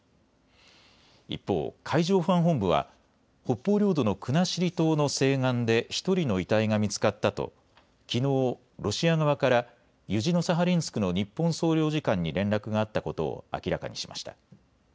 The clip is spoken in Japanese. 一方、海上保安本部は北方領土の国後島の西岸で１人の遺体が見つかったときのうロシア側からユジノサハリンスクの日本総領事館に連絡があったことを明らかにしました。